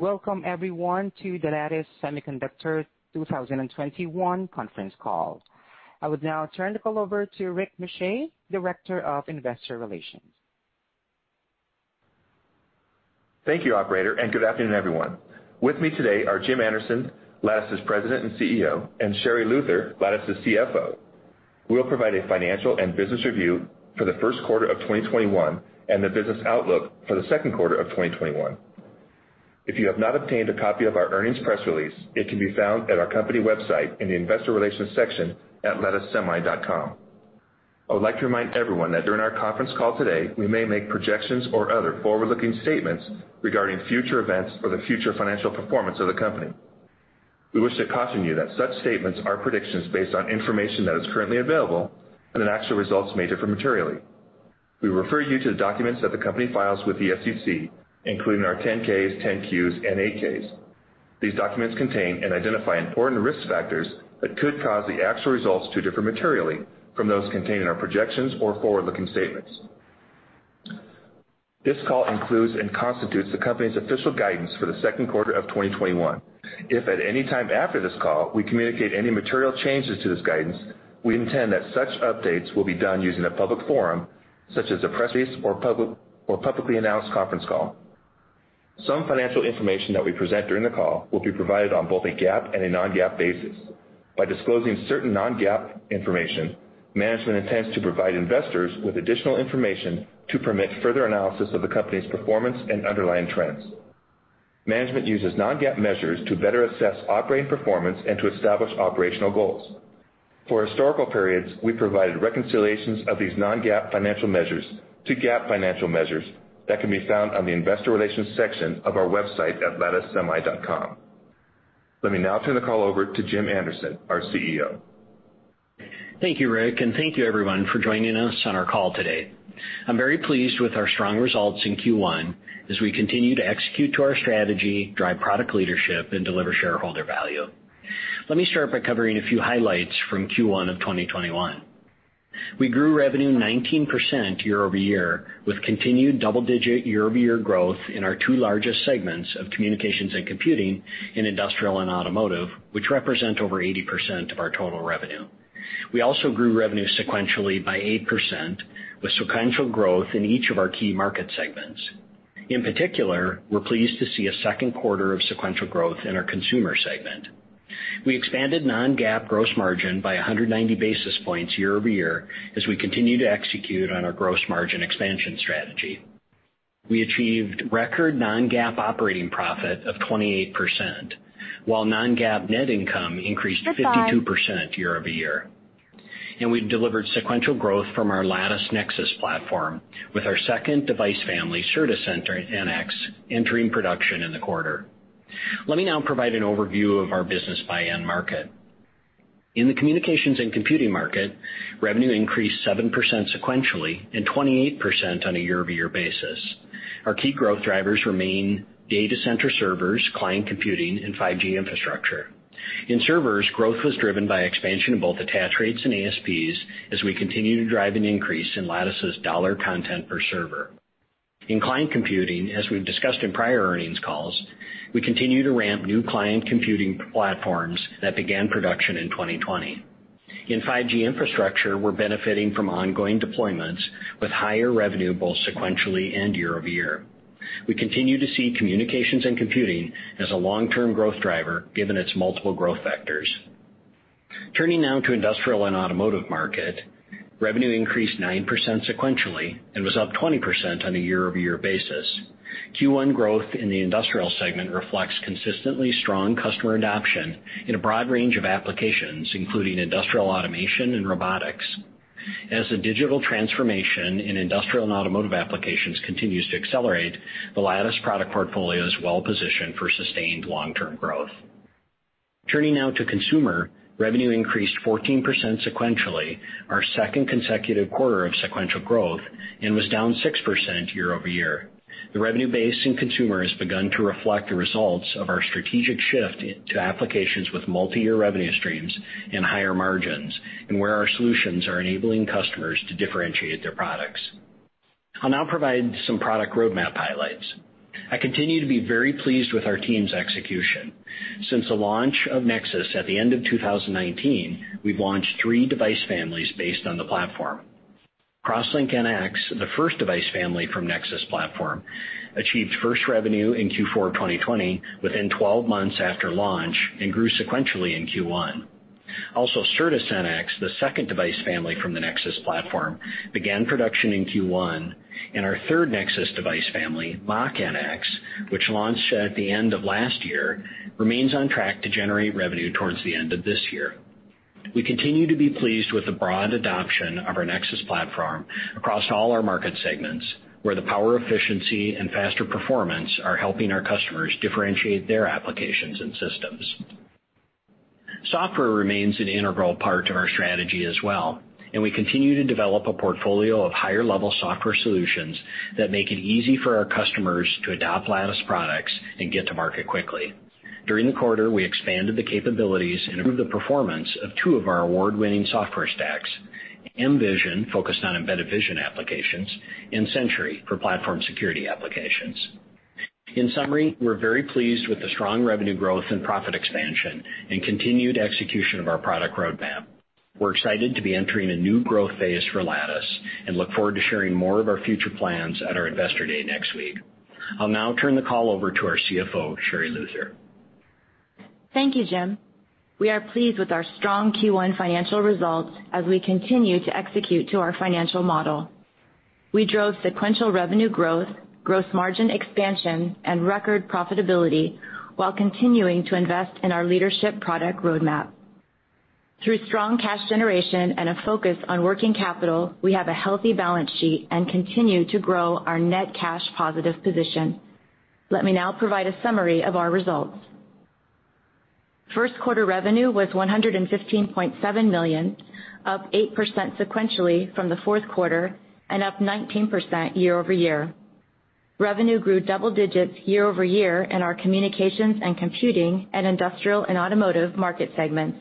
Welcome everyone to the Lattice Semiconductor 2021 conference call. I would now turn the call over to Rick Muscha, Director of Investor Relations. Thank you, operator, and good afternoon, everyone. With me today are Jim Anderson, Lattice's President and CEO, and Sherri Luther, Lattice's CFO. We'll provide a financial and business review for the first quarter of 2021 and the business outlook for the second quarter of 2021. If you have not obtained a copy of our earnings press release, it can be found at our company website in the Investor Relations section at latticesemi.com. I would like to remind everyone that during our conference call today, we may make projections or other forward-looking statements regarding future events or the future financial performance of the company. We wish to caution you that such statements are predictions based on information that is currently available, and that actual results may differ materially. We refer you to the documents that the company files with the SEC, including our 10-Ks, 10-Qs and 8-Ks. These documents contain and identify important risk factors that could cause the actual results to differ materially from those contained in our projections or forward-looking statements. This call includes and constitutes the company's official guidance for the second quarter of 2021. If at any time after this call, we communicate any material changes to this guidance, we intend that such updates will be done using a public forum such as a press release or publicly announced conference call. Some financial information that we present during the call will be provided on both a GAAP and a non-GAAP basis. By disclosing certain non-GAAP information, management intends to provide investors with additional information to permit further analysis of the company's performance and underlying trends. Management uses non-GAAP measures to better assess operating performance and to establish operational goals. For historical periods, we provided reconciliations of these non-GAAP financial measures to GAAP financial measures that can be found on the Investor Relations section of our website at latticesemi.com. Let me now turn the call over to Jim Anderson, our CEO. Thank you, Rick, and thank you everyone for joining us on our call today. I'm very pleased with our strong results in Q1 as we continue to execute to our strategy, drive product leadership, and deliver shareholder value. Let me start by covering a few highlights from Q1 of 2021. We grew revenue 19% year-over-year with continued double-digit year-over-year growth in our two largest segments of communications and computing in industrial and automotive, which represent over 80% of our total revenue. We also grew revenue sequentially by 8%, with sequential growth in each of our key market segments. In particular, we're pleased to see a second quarter of sequential growth in our consumer segment. We expanded non-GAAP gross margin by 190 basis points year-over-year as we continue to execute on our gross margin expansion strategy. We achieved record non-GAAP operating profit of 28%, while non-GAAP net income increased 52% year-over-year. We've delivered sequential growth from our Lattice Nexus platform with our second device family, Certus-NX, entering production in the quarter. Let me now provide an overview of our business by end market. In the communications and computing market, revenue increased 7% sequentially and 28% on a year-over-year basis. Our key growth drivers remain data center servers, client computing, and 5G infrastructure. In servers, growth was driven by expansion of both attach rates and ASPs as we continue to drive an increase in Lattice's dollar content per server. In client computing, as we've discussed in prior earnings calls, we continue to ramp new client computing platforms that began production in 2020. In 5G infrastructure, we're benefiting from ongoing deployments with higher revenue both sequentially and year-over-year. We continue to see communications and computing as a long-term growth driver, given its multiple growth vectors. Turning now to industrial and automotive market, revenue increased 9% sequentially and was up 20% on a year-over-year basis. Q1 growth in the industrial segment reflects consistently strong customer adoption in a broad range of applications, including industrial automation and robotics. As the digital transformation in industrial and automotive applications continues to accelerate, the Lattice product portfolio is well positioned for sustained long-term growth. Turning now to consumer, revenue increased 14% sequentially, our second consecutive quarter of sequential growth, and was down 6% year-over-year. The revenue base in consumer has begun to reflect the results of our strategic shift to applications with multiyear revenue streams and higher margins, and where our solutions are enabling customers to differentiate their products. I'll now provide some product roadmap highlights. I continue to be very pleased with our team's execution. Since the launch of Nexus at the end of 2019, we've launched three device families based on the platform. CrossLink-NX, the first device family from Nexus platform, achieved first revenue in Q4 2020 within 12 months after launch and grew sequentially in Q1. Also, Certus-NX, the second device family from the Nexus platform, began production in Q1, and our third Nexus device family, Mach-NX, which launched at the end of last year, remains on track to generate revenue towards the end of this year. We continue to be pleased with the broad adoption of our Nexus platform across all our market segments, where the power efficiency and faster performance are helping our customers differentiate their applications and systems. Software remains an integral part of our strategy as well, and we continue to develop a portfolio of higher-level software solutions that make it easy for our customers to adopt Lattice products and get to market quickly. During the quarter, we expanded the capabilities and improved the performance of two of our award-winning software stacks, mVision, focused on embedded vision applications, and Sentry for platform security applications. In summary, we're very pleased with the strong revenue growth and profit expansion and continued execution of our product roadmap. We're excited to be entering a new growth phase for Lattice and look forward to sharing more of our future plans at our Investor Day next week. I'll now turn the call over to our CFO, Sherri Luther. Thank you, Jim. We are pleased with our strong Q1 financial results as we continue to execute to our financial model. We drove sequential revenue growth, gross margin expansion, and record profitability while continuing to invest in our leadership product roadmap. Through strong cash generation and a focus on working capital, we have a healthy balance sheet and continue to grow our net cash positive position. Let me now provide a summary of our results. First quarter revenue was $115.7 million, up 8% sequentially from the fourth quarter and up 19% year-over-year. Revenue grew double digits year-over-year in our communications and computing and industrial and automotive market segments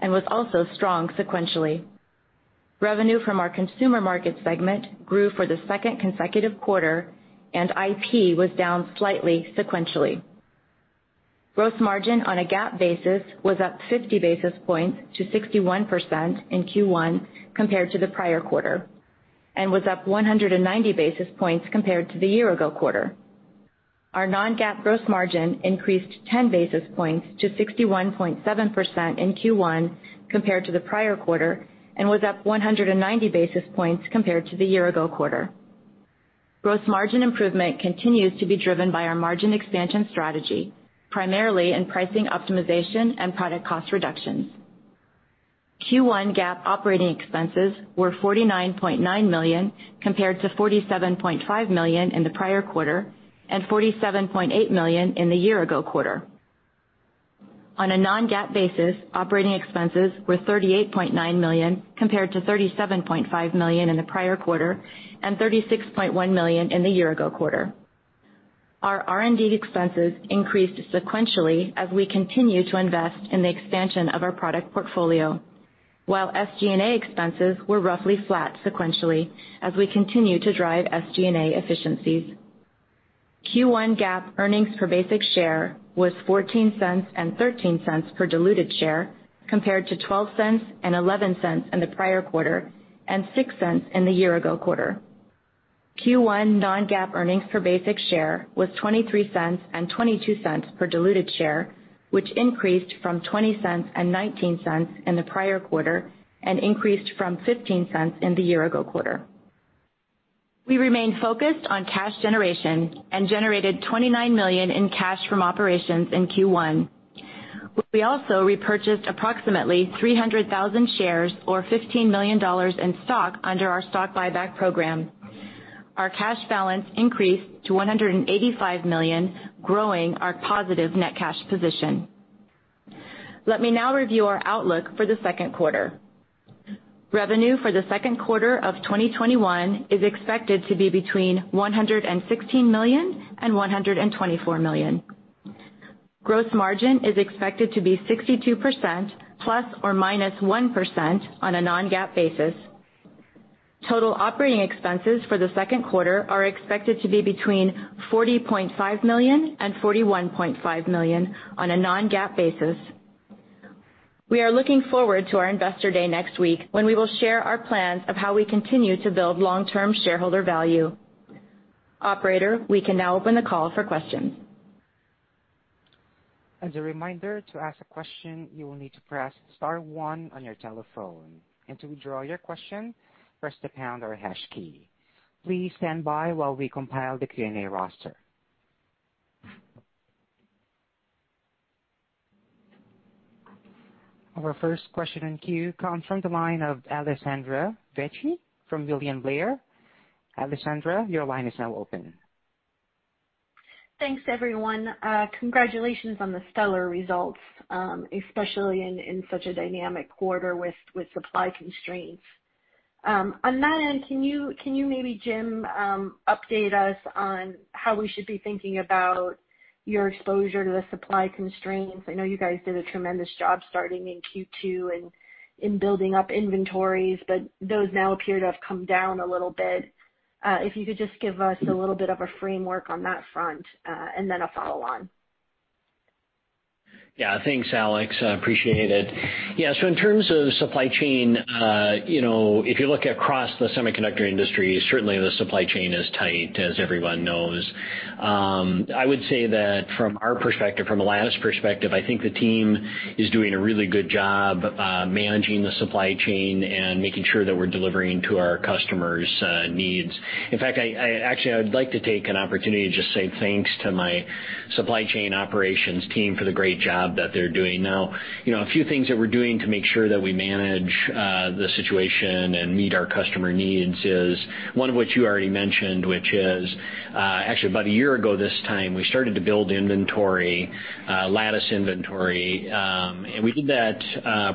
and was also strong sequentially. Revenue from our consumer market segment grew for the second consecutive quarter, and IP was down slightly sequentially. Gross margin on a GAAP basis was up 50 basis points to 61% in Q1 compared to the prior quarter, and was up 190 basis points compared to the year ago quarter. Our non-GAAP gross margin increased 10 basis points to 61.7% in Q1 compared to the prior quarter and was up 190 basis points compared to the year ago quarter. Gross margin improvement continues to be driven by our margin expansion strategy, primarily in pricing optimization and product cost reductions. Q1 GAAP operating expenses were $49.9 million compared to $47.5 million in the prior quarter and $47.8 million in the year ago quarter. On a non-GAAP basis, operating expenses were $38.9 million compared to $37.5 million in the prior quarter and $36.1 million in the year ago quarter. Our R&D expenses increased sequentially as we continue to invest in the expansion of our product portfolio, while SG&A expenses were roughly flat sequentially as we continue to drive SG&A efficiencies. Q1 GAAP earnings per basic share was $0.14 and $0.13 per diluted share compared to $0.12 and $0.11 in the prior quarter and $0.06 in the year-ago quarter. Q1 non-GAAP earnings per basic share was $0.23 and $0.22 per diluted share, which increased from $0.20 and $0.19 in the prior quarter and increased from $0.15 in the year-ago quarter. We remain focused on cash generation and generated $29 million in cash from operations in Q1. We also repurchased approximately 300,000 shares or $15 million in stock under our stock buyback program. Our cash balance increased to $185 million, growing our positive net cash position. Let me now review our outlook for the second quarter. Revenue for the second quarter of 2021 is expected to be between $116 million and $124 million. Gross margin is expected to be 62% ±1% on a non-GAAP basis. Total operating expenses for the second quarter are expected to be between $40.5 million and $41.5 million on a non-GAAP basis. We are looking forward to our Investor Day next week when we will share our plans of how we continue to build long-term shareholder value. Operator, we can now open the call for questions. As a reminder, to ask a question, you will need to press star one on your telephone, and to withdraw your question, press the pound or hash key. Please stand by while we compile the Q&A roster. Our first question in queue comes from the line of Alessandra Vecchi from William Blair. Alessandra, your line is now open. Thanks, everyone. Congratulations on the stellar results, especially in such a dynamic quarter with supply constraints. On that end, can you maybe, Jim, update us on how we should be thinking about your exposure to the supply constraints? I know you guys did a tremendous job starting in Q2 and in building up inventories, but those now appear to have come down a little bit. If you could just give us a little bit of a framework on that front, and then a follow-on. Thanks, Alex. I appreciate it. In terms of supply chain, if you look across the semiconductor industry, certainly the supply chain is tight, as everyone knows. I would say that from our perspective, from a Lattice perspective, I think the team is doing a really good job managing the supply chain and making sure that we're delivering to our customers' needs. In fact, actually, I would like to take an opportunity to just say thanks to my supply chain operations team for the great job that they're doing. A few things that we're doing to make sure that we manage the situation and meet our customer needs is one of which you already mentioned, which is actually about a year ago this time, we started to build inventory, Lattice inventory, and we did that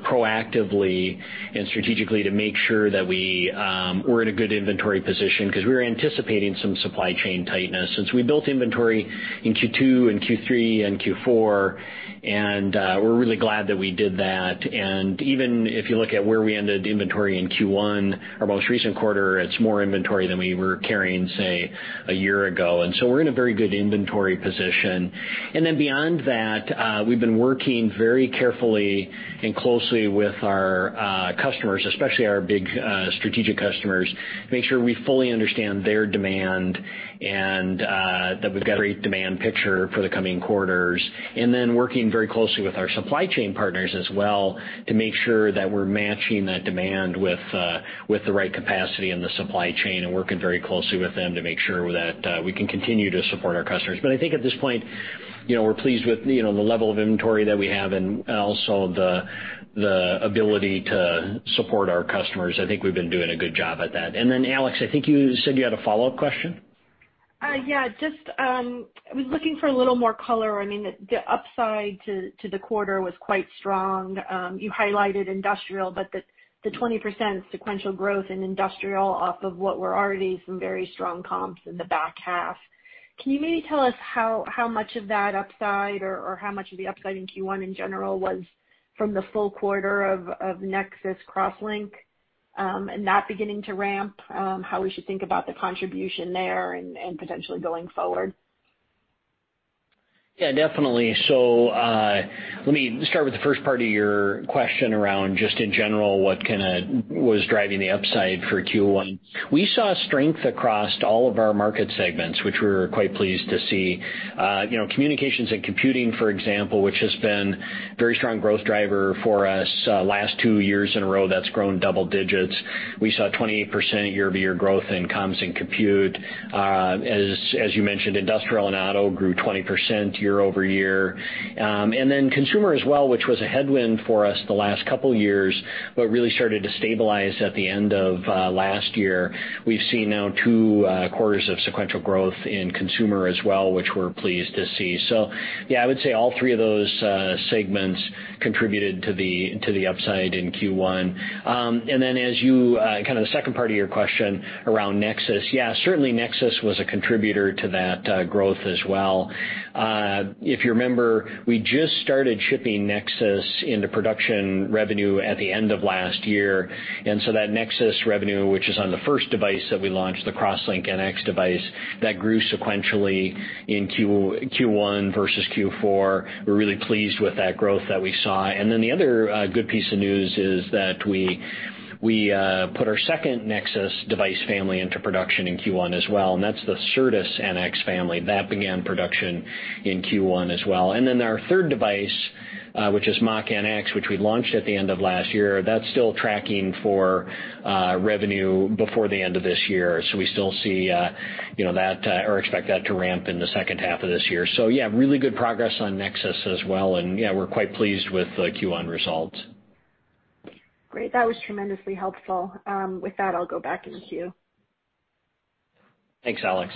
proactively and strategically to make sure that we're in a good inventory position because we were anticipating some supply chain tightness since we built inventory in Q2 and Q3 and Q4, and we're really glad that we did that. Even if you look at where we ended inventory in Q1, our most recent quarter, it's more inventory than we were carrying, say, a year ago. We're in a very good inventory position. Beyond that, we've been working very carefully and closely with our customers, especially our big strategic customers, to make sure we fully understand their demand and that we've got a great demand picture for the coming quarters. Working very closely with our supply chain partners as well to make sure that we're matching that demand with the right capacity in the supply chain and working very closely with them to make sure that we can continue to support our customers. I think at this point we're pleased with the level of inventory that we have and also the ability to support our customers. I think we've been doing a good job at that. Alex, I think you said you had a follow-up question? Yeah, just I was looking for a little more color. I mean, the upside to the quarter was quite strong. You highlighted industrial, but the 20% sequential growth in industrial off of what were already some very strong comps in the back half. Can you maybe tell us how much of that upside or how much of the upside in Q1 in general was from the full quarter of Nexus CrossLink, and that beginning to ramp, how we should think about the contribution there and potentially going forward? Yeah, definitely. Let me start with the first part of your question around just in general, what was driving the upside for Q1. We saw strength across all of our market segments, which we were quite pleased to see. Communications and computing, for example, which has been very strong growth driver for us. Last two years in a row, that's grown double digits. We saw 28% year-over-year growth in comms and compute. As you mentioned, industrial and auto grew 20% year-over-year. Consumer as well, which was a headwind for us the last couple of years, but really started to stabilize at the end of last year. We've seen now two quarters of sequential growth in consumer as well, which we're pleased to see. Yeah, I would say all three of those segments contributed to the upside in Q1. As you, kind of the second part of your question around Nexus, yeah, certainly Nexus was a contributor to that growth as well. If you remember, we just started shipping Nexus into production revenue at the end of last year, and so that Nexus revenue, which is on the first device that we launched, the CrossLink-NX device, that grew sequentially in Q1 versus Q4. We're really pleased with that growth that we saw. The other good piece of news is that we put our second Nexus device family into production in Q1 as well, and that's the Certus-NX family. That began production in Q1 as well. Our third device, which is Mach-NX, which we launched at the end of last year, that's still tracking for revenue before the end of this year. We still see that, or expect that to ramp in the second half of this year. Yeah, really good progress on Nexus as well. Yeah, we're quite pleased with the Q1 results. Great. That was tremendously helpful. With that, I'll go back in queue. Thanks, Alex.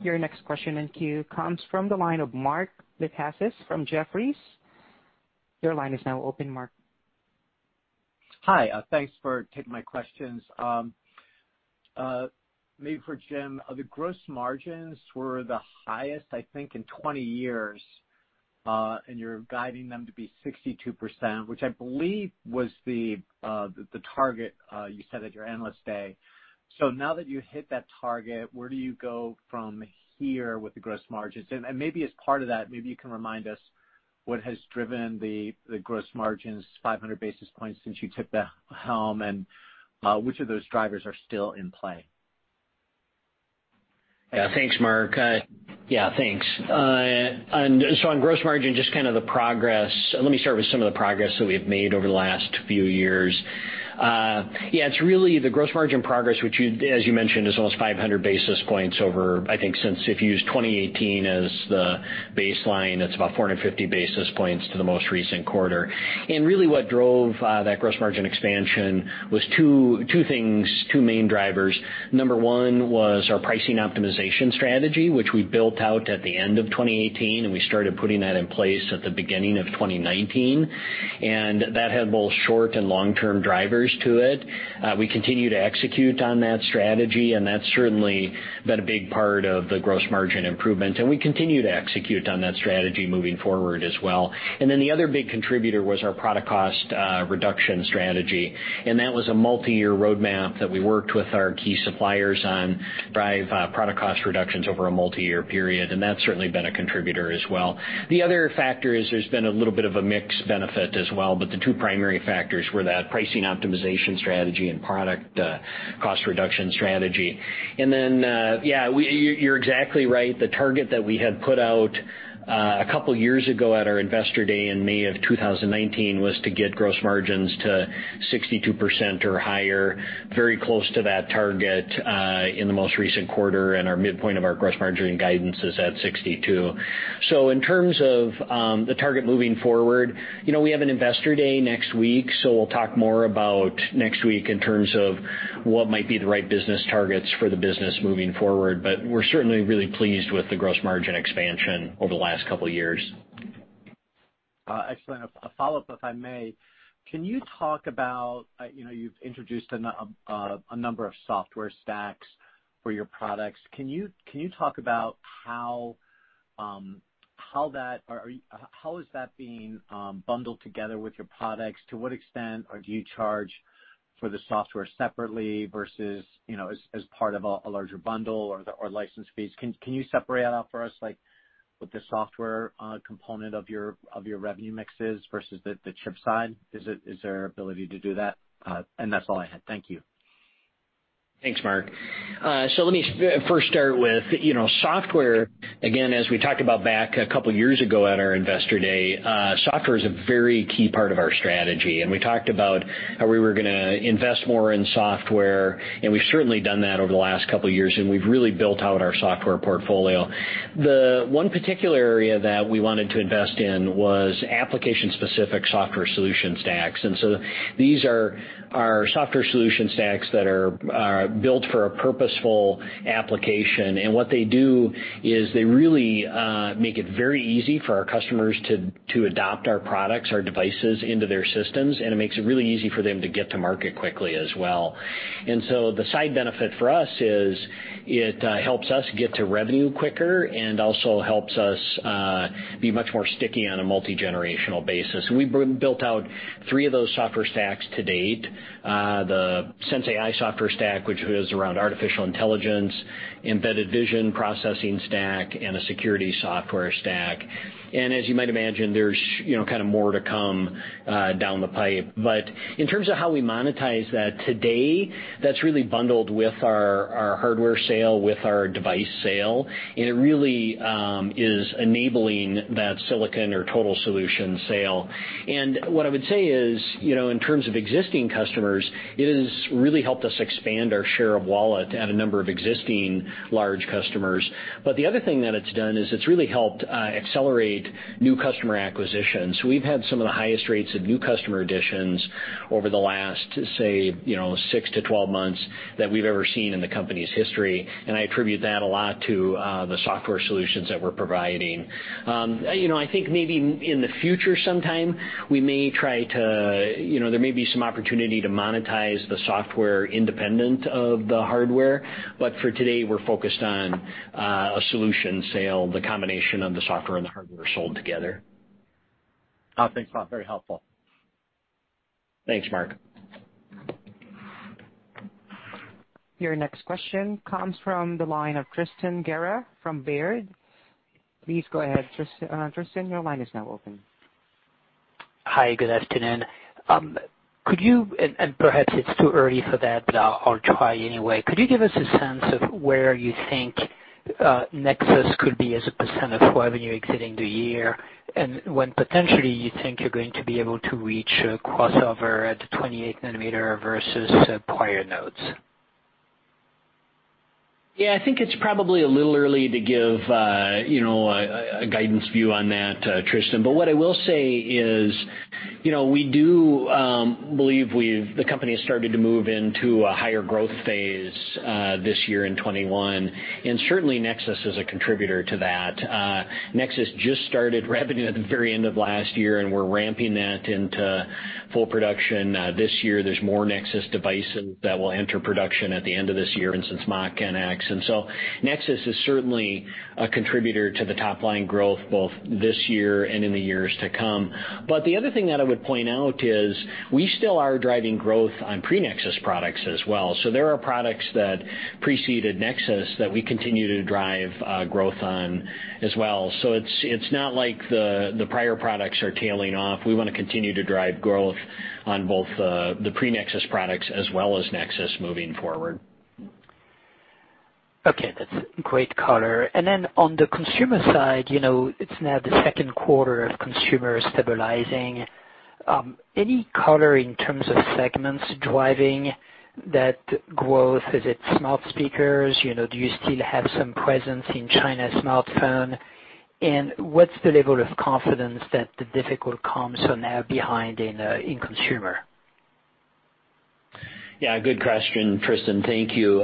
Your next question in queue comes from the line of Mark Lipacis from Jefferies. Your line is now open, Mark. Hi. Thanks for taking my questions. Maybe for Jim, the gross margins were the highest, I think, in 20 years. You're guiding them to be 62%, which I believe was the target you said at your Analyst Day. Now that you hit that target, where do you go from here with the gross margins? Maybe as part of that, maybe you can remind us what has driven the gross margins 500 basis points since you took the helm, and which of those drivers are still in play? Yeah. Thanks, Mark. Yeah, thanks. On gross margin, just kind of the progress. Let me start with some of the progress that we've made over the last few years. Yeah, it's really the gross margin progress, which as you mentioned, is almost 500 basis points over, I think since, if you use 2018 as the baseline, that's about 450 basis points to the most recent quarter. Really what drove that gross margin expansion was two things, two main drivers. Number one was our pricing optimization strategy, which we built out at the end of 2018, and we started putting that in place at the beginning of 2019, and that had both short and long-term drivers to it. We continue to execute on that strategy, and that's certainly been a big part of the gross margin improvement, and we continue to execute on that strategy moving forward as well. The other big contributor was our product cost reduction strategy, and that was a multi-year roadmap that we worked with our key suppliers on to drive product cost reductions over a multi-year period, and that's certainly been a contributor as well. The other factor is there's been a little bit of a mix benefit as well, but the two primary factors were that pricing optimization strategy and product cost reduction strategy. Yeah, you're exactly right. The target that we had put out a couple of years ago at our Investor Day in May of 2019 was to get gross margins to 62% or higher, very close to that target, in the most recent quarter, and our midpoint of our gross margin guidance is at 62%. In terms of the target moving forward, we have an Investor Day next week, so we'll talk more about next week in terms of what might be the right business targets for the business moving forward. We're certainly really pleased with the gross margin expansion over the last couple of years. Excellent. A follow-up, if I may. Can you talk about, you've introduced a number of software stacks for your products. Can you talk about how is that being bundled together with your products? To what extent, or do you charge for the software separately versus as part of a larger bundle or license fees? Can you separate out for us, like, what the software component of your revenue mix is versus the chip side? Is there ability to do that? That's all I had. Thank you. Thanks, Mark. Let me first start with software. Again, as we talked about back a couple of years ago at our Investor Day, software is a very key part of our strategy. We talked about how we were going to invest more in software, and we've certainly done that over the last couple of years, and we've really built out our software portfolio. The one particular area that we wanted to invest in was application-specific software solution stacks. These are our software solution stacks that are built for a purposeful application. What they do is they really make it very easy for our customers to adopt our products, our devices into their systems, and it makes it really easy for them to get to market quickly as well. The side benefit for us is it helps us get to revenue quicker and also helps us be much more sticky on a multigenerational basis. We built out three of those software stacks to date. The sensAI software stack, which is around artificial intelligence, embedded vision processing stack, and a security software stack. As you might imagine, there's more to come down the pipe. In terms of how we monetize that today, that's really bundled with our hardware sale, with our device sale. It really is enabling that silicon or total solution sale. What I would say is, in terms of existing customers, it has really helped us expand our share of wallet at a number of existing large customers. The other thing that it's done is it's really helped accelerate new customer acquisitions. We've had some of the highest rates of new customer additions over the last, say, 6-12 months that we've ever seen in the company's history. I attribute that a lot to the software solutions that we're providing. I think maybe in the future sometime, there may be some opportunity to monetize the software independent of the hardware. For today, we're focused on a solution sale, the combination of the software and the hardware sold together. Thanks. Very helpful. Thanks, Mark. Your next question comes from the line of Tristan Gerra from Baird. Please go ahead, Tristan. Hi, good afternoon. Could you, and perhaps it's too early for that, but I'll try anyway. Could you give us a sense of where you think Nexus could be as a % of revenue exiting the year? When potentially you think you're going to be able to reach a crossover at 28 nm versus prior nodes? Yeah, I think it's probably a little early to give a guidance view on that, Tristan. What I will say is, we do believe the company has started to move into a higher growth phase this year in 2021, and certainly Nexus is a contributor to that. Nexus just started revenue at the very end of last year, and we're ramping that into full production this year. There's more Nexus devices that will enter production at the end of this year, and since Mach-NX. Nexus is certainly a contributor to the top-line growth both this year and in the years to come. The other thing that I would point out is we still are driving growth on pre-Nexus products as well. There are products that preceded Nexus that we continue to drive growth on as well. It's not like the prior products are tailing off. We want to continue to drive growth on both the pre-Nexus products as well as Nexus moving forward. Okay, that's great color. On the consumer side, it's now the second quarter of consumer stabilizing. Any color in terms of segments driving that growth? Is it smart speakers? Do you still have some presence in China smartphone? What's the level of confidence that the difficult comps are now behind in consumer? Good question, Tristan. Thank you.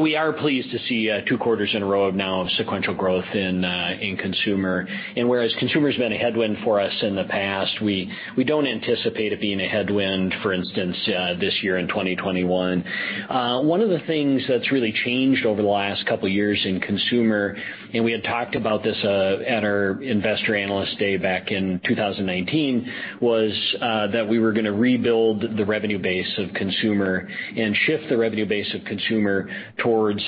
We are pleased to see two quarters in a row now of sequential growth in consumer. Whereas consumer's been a headwind for us in the past, we don't anticipate it being a headwind, for instance, this year in 2021. One of the things that's really changed over the last couple of years in consumer, and we had talked about this at our investor analyst day back in 2019, was that we were going to rebuild the revenue base of consumer and shift the revenue base of consumer towards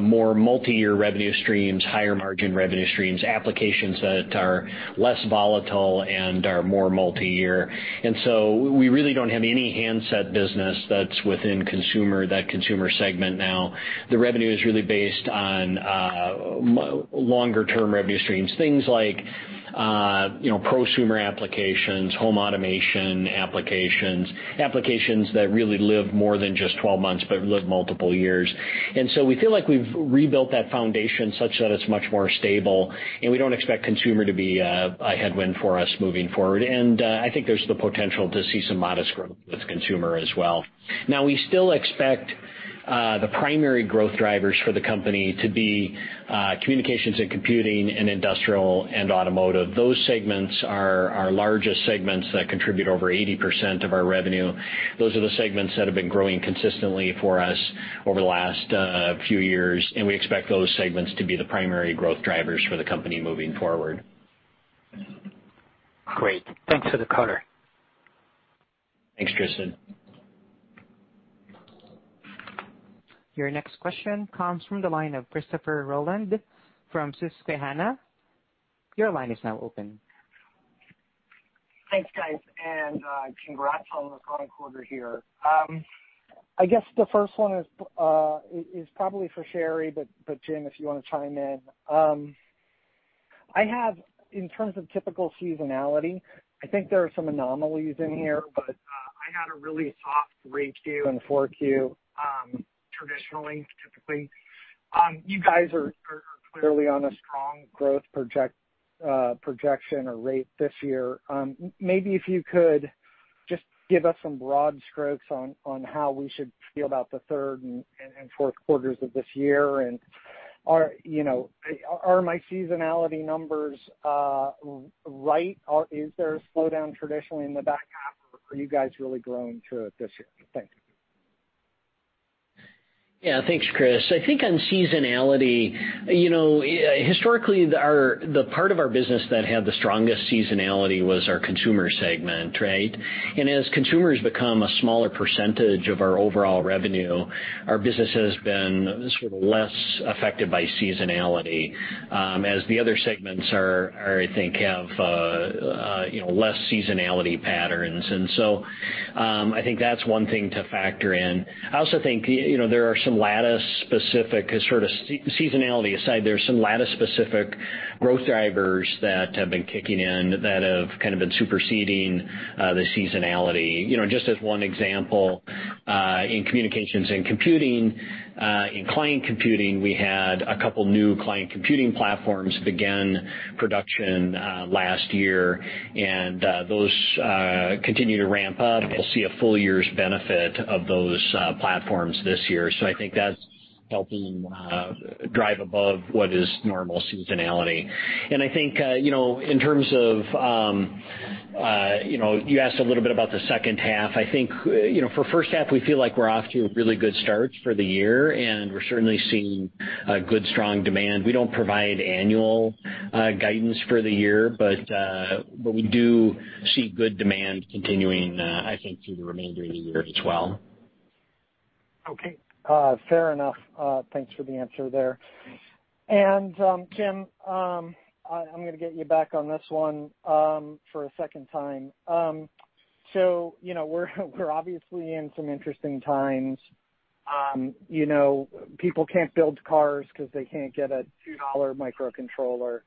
more multi-year revenue streams, higher margin revenue streams, applications that are less volatile and are more multi-year. We really don't have any handset business that's within consumer, that consumer segment now. The revenue is really based on longer-term revenue streams, things like prosumer applications, home automation applications that really live more than just 12 months but live multiple years. We feel like we've rebuilt that foundation such that it's much more stable, and we don't expect consumer to be a headwind for us moving forward. I think there's the potential to see some modest growth with consumer as well. We still expect the primary growth drivers for the company to be communications and computing and industrial and automotive. Those segments are our largest segments that contribute over 80% of our revenue. Those are the segments that have been growing consistently for us over the last few years, and we expect those segments to be the primary growth drivers for the company moving forward. Great. Thanks for the color. Thanks, Tristan. Your next question comes from the line of Christopher Rolland from Susquehanna. Your line is now open. Thanks, guys. Congrats on the quarter here. I guess the first one is probably for Sherri, but Jim, if you want to chime in. I have, in terms of typical seasonality, I think there are some anomalies in here, but I had a really soft 3Q and 4Q, traditionally, typically. You guys are clearly on a strong growth projection or rate this year. Maybe if you could just give us some broad strokes on how we should feel about the third and fourth quarters of this year. Are my seasonality numbers right? Is there a slowdown traditionally in the back half, or are you guys really growing through it this year? Thanks. Yeah. Thanks, Chris. I think on seasonality, historically, the part of our business that had the strongest seasonality was our consumer segment. Right? As consumers become a smaller percentage of our overall revenue, our business has been sort of less affected by seasonality, as the other segments I think have less seasonality patterns. I think that's one thing to factor in. I also think there are some Lattice-specific, sort of seasonality aside, there are some Lattice-specific growth drivers that have been kicking in that have kind of been superseding the seasonality. Just as one example, in communications and computing, in client computing, we had a couple new client computing platforms begin production last year, those continue to ramp up, and we'll see a full year's benefit of those platforms this year. I think that's helping drive above what is normal seasonality. I think, in terms of, you asked a little bit about the second half. I think, for first half, we feel like we're off to a really good start for the year, and we're certainly seeing good, strong demand. We don't provide annual guidance for the year, but we do see good demand continuing, I think, through the remainder of the year as well. Okay. Fair enough. Thanks for the answer there. Jim, I'm going to get you back on this one for a second time. We're obviously in some interesting times. People can't build cars because they can't get a $2 microcontroller.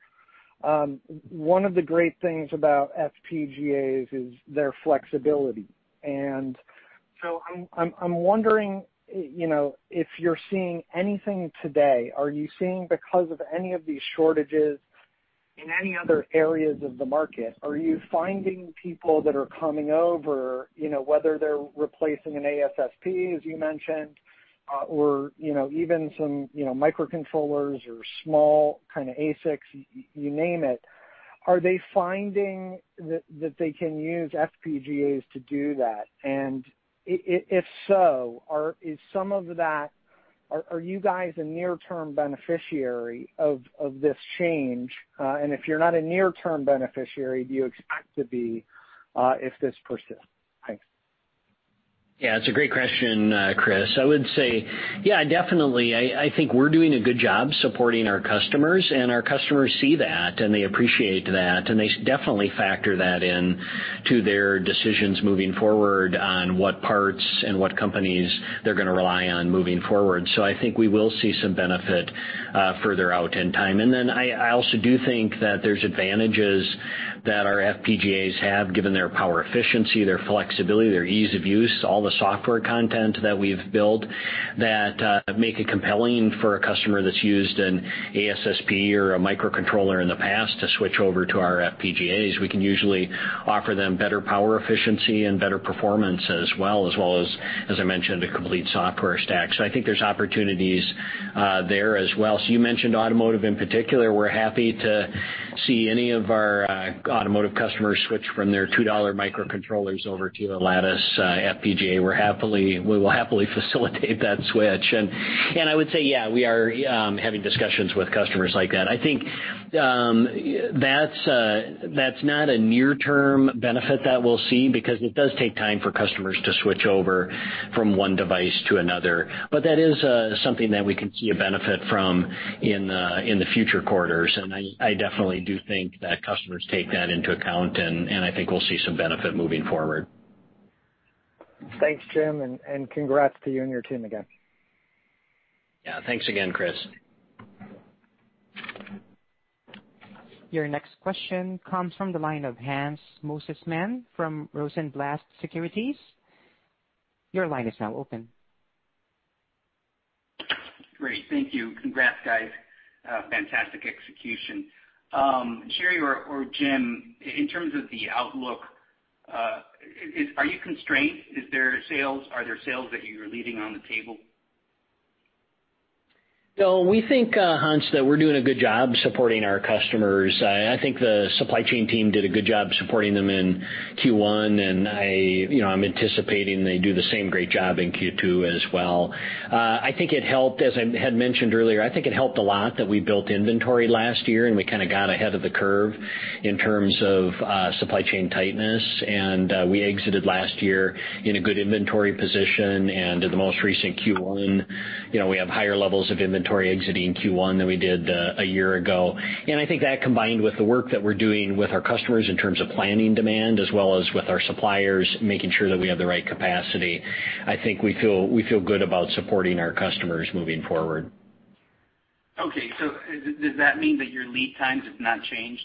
One of the great things about FPGAs is their flexibility. I'm wondering if you're seeing anything today. Are you seeing, because of any of these shortages in any other areas of the market, are you finding people that are coming over, whether they're replacing an ASSP, as you mentioned, or even some microcontrollers or small kind of ASICs, you name it. Are they finding that they can use FPGAs to do that? If so, are you guys a near-term beneficiary of this change? If you're not a near-term beneficiary, do you expect to be, if this persists? Thanks. Yeah. It's a great question, Chris. I would say, yeah, definitely. I think we're doing a good job supporting our customers, and our customers see that, and they appreciate that, and they definitely factor that into their decisions moving forward on what parts and what companies they're going to rely on moving forward. I think we will see some benefit further out in time. I also do think that there's advantages that our FPGAs have, given their power efficiency, their flexibility, their ease of use, all the software content that we've built that make it compelling for a customer that's used an ASSP or a microcontroller in the past to switch over to our FPGAs. We can usually offer them better power efficiency and better performance as well, as well as I mentioned, a complete software stack. I think there's opportunities there as well. You mentioned automotive in particular. We're happy to see any of our automotive customers switch from their $2 microcontrollers over to the Lattice FPGA. We will happily facilitate that switch. I would say, yeah, we are having discussions with customers like that. I think that's not a near-term benefit that we'll see, because it does take time for customers to switch over from one device to another. That is something that we can see a benefit from in the future quarters, and I definitely do think that customers take that into account, and I think we'll see some benefit moving forward. Thanks, Jim, and congrats to you and your team again. Yeah. Thanks again, Chris. Your next question comes from the line of Hans Mosesmann from Rosenblatt Securities. Your line is now open. Great. Thank you. Congrats, guys. Fantastic execution. Sherri or Jim, in terms of the outlook, are you constrained? Are there sales that you're leaving on the table? We think, Hans, that we're doing a good job supporting our customers. I think the supply chain team did a good job supporting them in Q1, I'm anticipating they do the same great job in Q2 as well. I think it helped, as I had mentioned earlier, I think it helped a lot that we built inventory last year, we kind of got ahead of the curve in terms of supply chain tightness. We exited last year in a good inventory position. In the most recent Q1, we have higher levels of inventory exiting Q1 than we did a year ago. I think that, combined with the work that we're doing with our customers in terms of planning demand as well as with our suppliers, making sure that we have the right capacity, I think we feel good about supporting our customers moving forward. Okay. Does that mean that your lead times have not changed?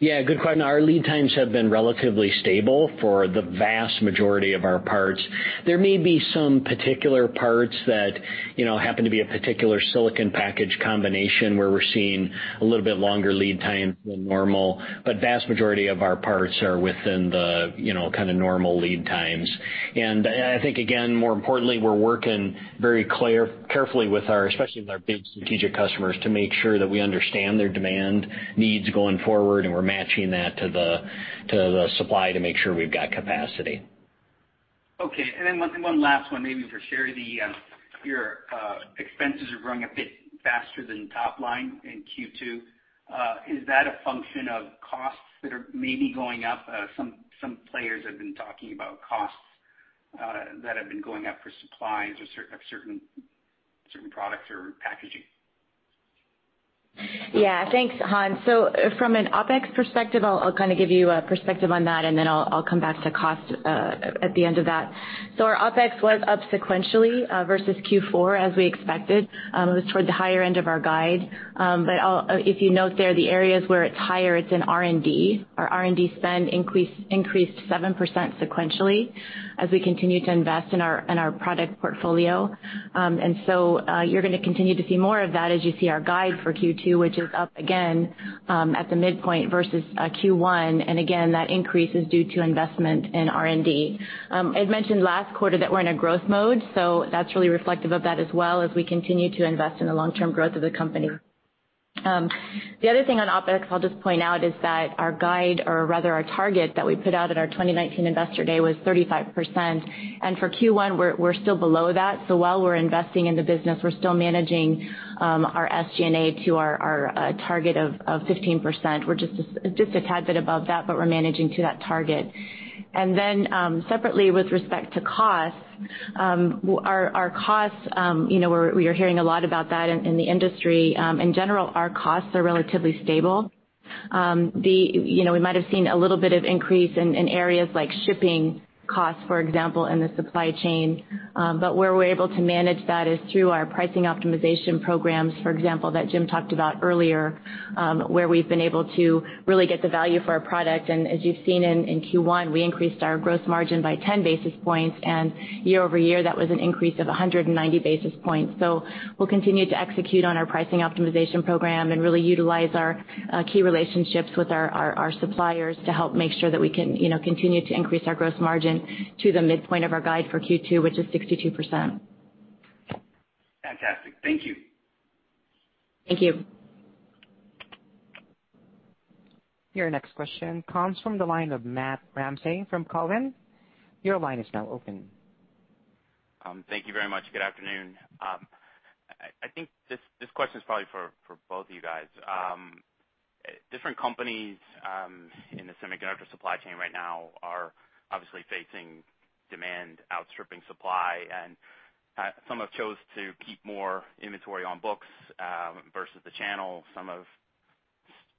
Yeah, good question. Our lead times have been relatively stable for the vast majority of our parts. There may be some particular parts that happen to be a particular silicon package combination, where we're seeing a little bit longer lead times than normal, but vast majority of our parts are within the kind of normal lead times. I think, again, more importantly, we're working very carefully, especially with our big strategic customers, to make sure that we understand their demand needs going forward, and we're matching that to the supply to make sure we've got capacity. Okay. One last one, maybe for Sherri. Your expenses are growing a bit faster than top line in Q2. Is that a function of costs that are maybe going up? Some players have been talking about costs that have been going up for supplies of certain products or packaging. Yeah. Thanks, Hans. From an OpEx perspective, I'll kind of give you a perspective on that, and then I'll come back to cost at the end of that. Our OpEx was up sequentially versus Q4, as we expected. It was toward the higher end of our guide. If you note there, the areas where it's higher, it's in R&D. Our R&D spend increased 7% sequentially as we continue to invest in our product portfolio. You're going to continue to see more of that as you see our guide for Q2, which is up again, at the midpoint versus Q1. Again, that increase is due to investment in R&D. I'd mentioned last quarter that we're in a growth mode, so that's really reflective of that as well, as we continue to invest in the long-term growth of the company. The other thing on OpEx I'll just point out is that our guide, or rather our target that we put out at our 2019 Investor Day, was 35%. For Q1, we're still below that. While we're investing in the business, we're still managing our SG&A to our target of 15%. We're just a tad bit above that. We're managing to that target. Separately, with respect to costs, we are hearing a lot about that in the industry. In general, our costs are relatively stable. We might have seen a little bit of increase in areas like shipping costs, for example, in the supply chain. Where we're able to manage that is through our pricing optimization programs, for example, that Jim talked about earlier, where we've been able to really get the value for our product. As you've seen in Q1, we increased our gross margin by 10 basis points, and year-over-year, that was an increase of 190 basis points. We'll continue to execute on our pricing optimization program and really utilize our key relationships with our suppliers to help make sure that we can continue to increase our gross margin to the midpoint of our guide for Q2, which is 62%. Fantastic. Thank you. Thank you. Your next question comes from the line of Matt Ramsay from Cowen. Your line is now open. Thank you very much. Good afternoon. I think this question's probably for both of you guys. Different companies in the semiconductor supply chain right now are obviously facing demand outstripping supply, and some have chose to keep more inventory on books versus the channel. Some have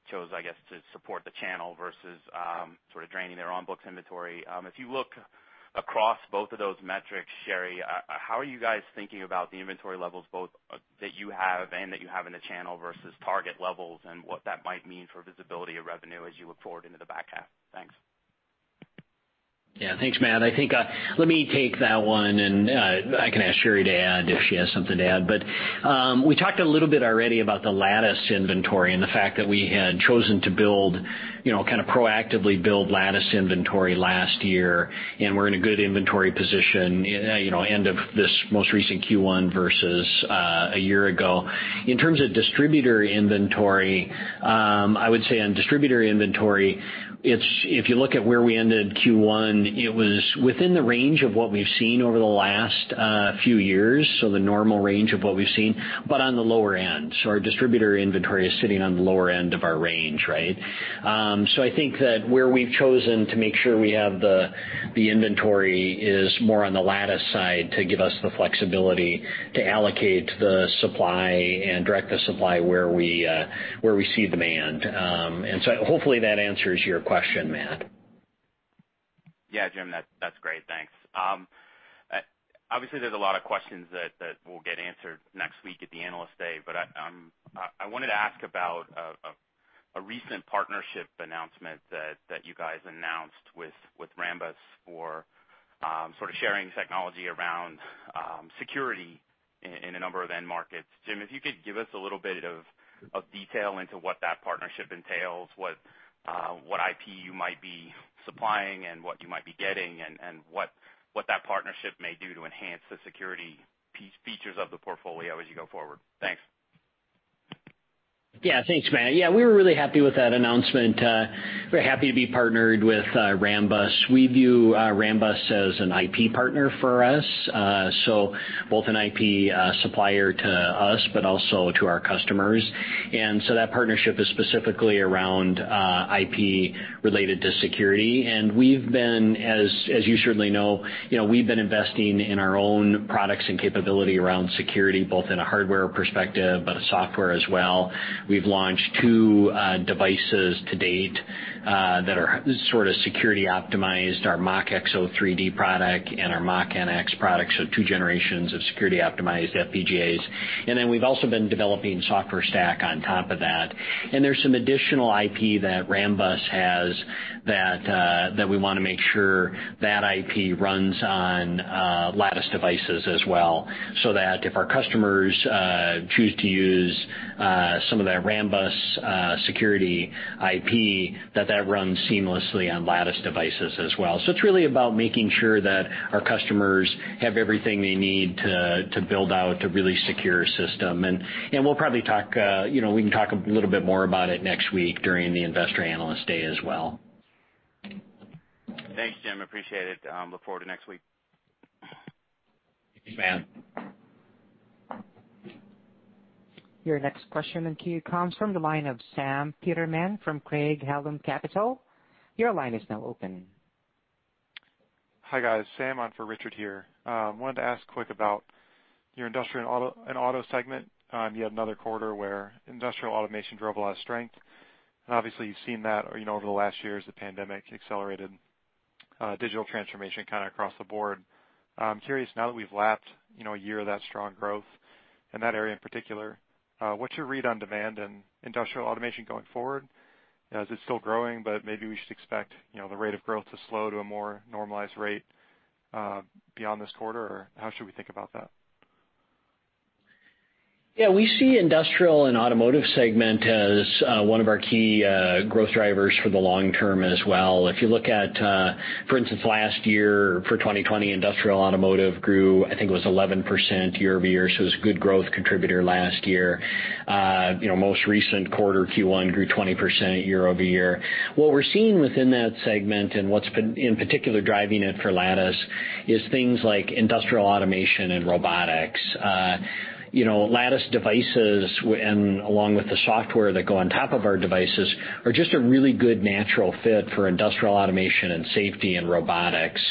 chose, I guess, to support the channel versus sort of draining their on books inventory. If you look across both of those metrics, Sherri, how are you guys thinking about the inventory levels both that you have and that you have in the channel versus target levels, and what that might mean for visibility of revenue as you look forward into the back half? Thanks. Thanks, Matt. I think let me take that one, and I can ask Sherri to add if she has something to add. We talked a little bit already about the Lattice inventory and the fact that we had chosen to kind of proactively build Lattice inventory last year, and we're in a good inventory position end of this most recent Q1 versus a year ago. In terms of distributor inventory, I would say on distributor inventory, if you look at where we ended Q1, it was within the range of what we've seen over the last few years, so the normal range of what we've seen, but on the lower end. Our distributor inventory is sitting on the lower end of our range, right? I think that where we've chosen to make sure we have the inventory is more on the Lattice side to give us the flexibility to allocate the supply and direct the supply where we see demand. Hopefully that answers your question, Matt. Yeah, Jim, that's great. Thanks. Obviously, there's a lot of questions that will get answered next week at the Analyst Day, but I wanted to ask about a recent partnership announcement that you guys announced with Rambus for sort of sharing technology around security in a number of end markets. Jim, if you could give us a little bit of detail into what that partnership entails, what IP you might be supplying and what you might be getting, and what that partnership may do to enhance the security features of the portfolio as you go forward. Thanks. Thanks, Matt. We were really happy with that announcement. Very happy to be partnered with Rambus. We view Rambus as an IP partner for us, so both an IP supplier to us, but also to our customers. That partnership is specifically around IP related to security. We've been, as you certainly know, we've been investing in our own products and capability around security, both in a hardware perspective, but a software as well. We've launched two devices to date that are sort of security optimized, our MachXO3D product and our Mach-NX product, so two generations of security optimized FPGAs. Then we've also been developing software stack on top of that. There's some additional IP that Rambus has that we want to make sure that IP runs on Lattice devices as well, so that if our customers choose to use some of that Rambus security IP, that that runs seamlessly on Lattice devices as well. It's really about making sure that our customers have everything they need to build out a really secure system. We'll probably talk a little bit more about it next week during the Investor Analyst Day as well. Thanks, Jim. Appreciate it. Look forward to next week. Thanks, Matt. Your next question in queue comes from the line of Sam Peterman from Craig-Hallum Capital. Your line is now open. Hi, guys. Sam on for Richard here. Wanted to ask quick about your industrial and auto segment. You had another quarter where industrial automation drove a lot of strength, and obviously you've seen that over the last year as the pandemic accelerated digital transformation kind of across the board. I'm curious now that we've lapped a year of that strong growth in that area in particular, what's your read on demand in industrial automation going forward? Is it still growing, but maybe we should expect the rate of growth to slow to a more normalized rate beyond this quarter, or how should we think about that? Yeah, we see industrial and automotive segment as one of our key growth drivers for the long term as well. If you look at, for instance, last year for 2020, industrial automotive grew, I think it was 11% year-over-year, it was a good growth contributor last year. Most recent quarter, Q1 grew 20% year-over-year. What we're seeing within that segment and what's been in particular driving it for Lattice is things like industrial automation and robotics. Lattice devices and along with the software that go on top of our devices are just a really good natural fit for industrial automation and safety and robotics.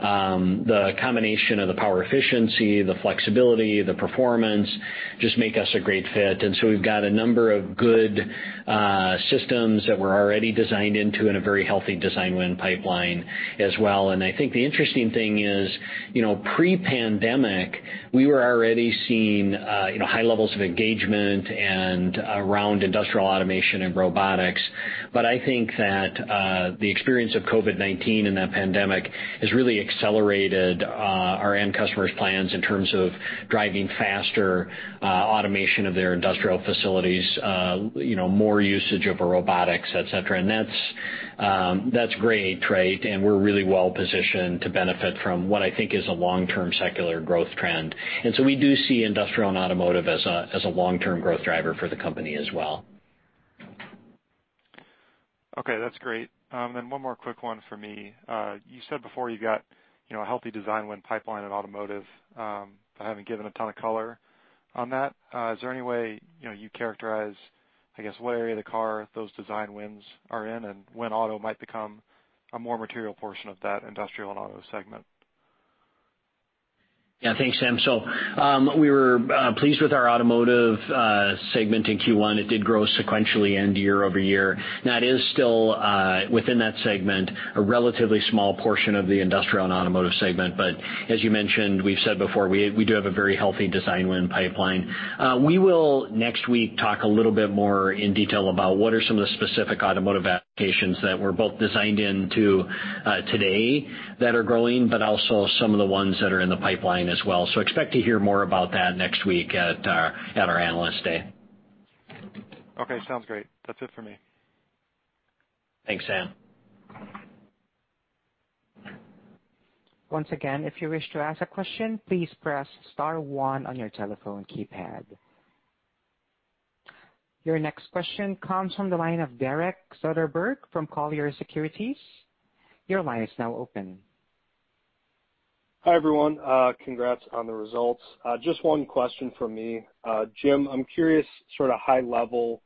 The combination of the power efficiency, the flexibility, the performance just make us a great fit. We've got a number of good systems that we're already designed into and a very healthy design win pipeline as well. I think the interesting thing is, pre-pandemic, we were already seeing high levels of engagement and around industrial automation and robotics. I think that the experience of COVID-19 and that pandemic has really accelerated our end customers' plans in terms of driving faster automation of their industrial facilities, more usage of our robotics, et cetera. That's great, and we're really well-positioned to benefit from what I think is a long-term secular growth trend. We do see industrial and automotive as a long-term growth driver for the company as well. Okay, that's great. One more quick one for me. You said before you've got a healthy design win pipeline in automotive, haven't given a ton of color on that. Is there any way you'd characterize, I guess, what area of the car those design wins are in and when auto might become a more material portion of that industrial and auto segment? Yeah, thanks, Sam. We were pleased with our automotive segment in Q1. It did grow sequentially and year-over-year. That is still, within that segment, a relatively small portion of the industrial and automotive segment. As you mentioned, we've said before, we do have a very healthy design win pipeline. We will, next week, talk a little bit more in detail about what are some of the specific automotive applications that we're both designed into today that are growing, but also some of the ones that are in the pipeline as well. Expect to hear more about that next week at our Analyst Day. Okay, sounds great. That's it for me. Thanks, Sam. Once again, if you wish to ask a question, please press star one on your telephone keypad. Your next question comes from the line of Derek Soderberg from Colliers Securities. Your line is now open. Hi, everyone. Congrats on the results. Just one question from me. Jim, I'm curious, sort of high level,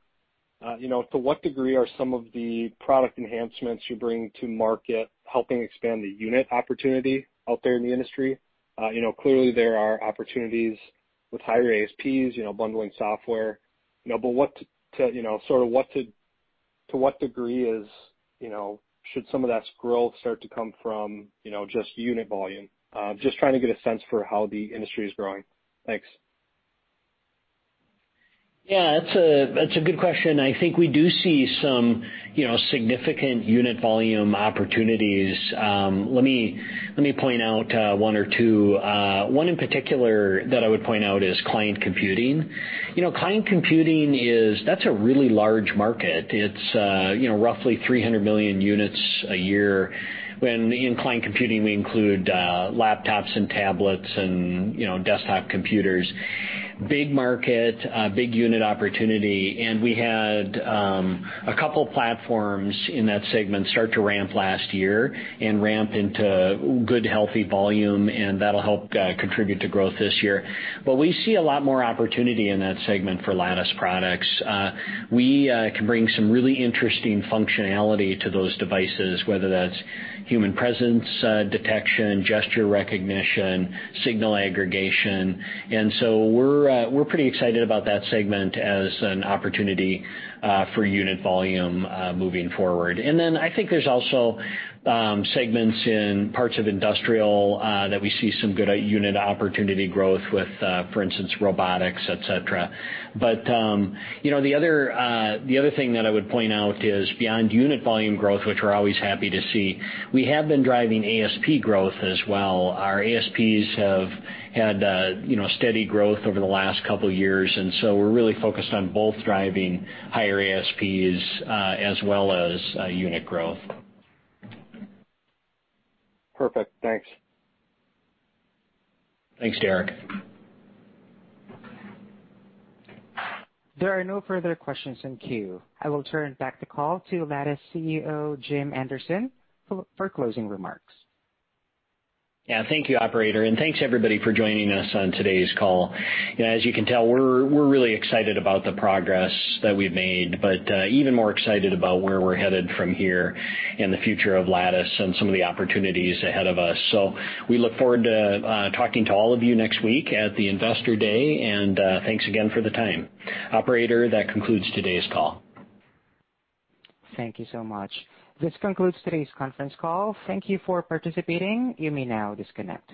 to what degree are some of the product enhancements you bring to market helping expand the unit opportunity out there in the industry? Clearly there are opportunities with higher ASPs, bundling software. To what degree should some of that growth start to come from just unit volume? Just trying to get a sense for how the industry is growing. Thanks. Yeah, that's a good question. I think we do see some significant unit volume opportunities. Let me point out one or two. One in particular that I would point out is client computing. Client computing, that's a really large market. It's roughly 300 million units a year. In client computing we include laptops and tablets and desktop computers. Big market, big unit opportunity, we had a couple platforms in that segment start to ramp last year and ramp into good, healthy volume, and that'll help contribute to growth this year. We see a lot more opportunity in that segment for Lattice products. We can bring some really interesting functionality to those devices, whether that's human presence detection, gesture recognition, signal aggregation. We're pretty excited about that segment as an opportunity for unit volume moving forward. Then I think there's also segments in parts of industrial that we see some good unit opportunity growth with, for instance, robotics, et cetera. The other thing that I would point out is beyond unit volume growth, which we're always happy to see, we have been driving ASP growth as well. Our ASPs have had steady growth over the last couple years, and so we're really focused on both driving higher ASPs as well as unit growth. Perfect. Thanks. Thanks, Derek. There are no further questions in queue. I will turn back the call to Lattice CEO, Jim Anderson, for closing remarks. Yeah. Thank you, operator, and thanks everybody for joining us on today's call. As you can tell, we're really excited about the progress that we've made, but even more excited about where we're headed from here and the future of Lattice and some of the opportunities ahead of us. We look forward to talking to all of you next week at the Investor Day, and thanks again for the time. Operator, that concludes today's call. Thank you so much. This concludes today's conference call. Thank you for participating. You may now disconnect.